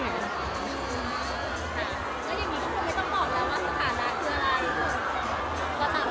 อืม